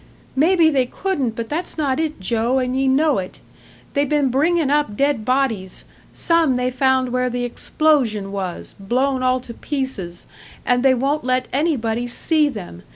"Maybe they couldn't; but that's not it, Joe, and ye know it! They been bringin' up dead bodies, some they found where the explosion was blown all to pieces. And they won't let anybody see them.